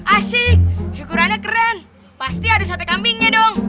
asik syukurannya keren pasti ada sate kambingnya dong